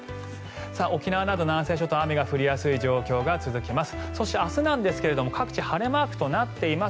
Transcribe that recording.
沖縄など南西諸島は雨が降りやすい状況が続きます。